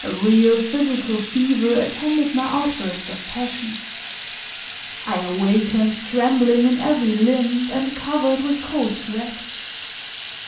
A real physical fever attended my outbursts of passion; I awakened trembling in every limb and covered with cold sweat.